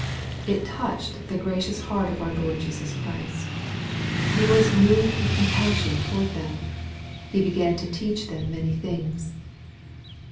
It touched the gracious heart of our Lord Jesus Christ. He was " moved with compassion toward them. He began to teach them many things."